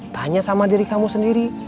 tanya sama diri kamu sendiri